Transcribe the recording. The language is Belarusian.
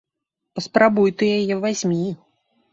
Паспрабуй ты яе вазьмі!